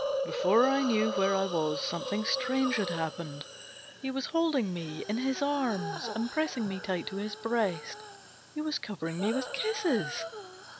Before I knew where I was, something strange had happened. He was holding me in his arms, and pressing me tight to his breast. He was covering me with kisses.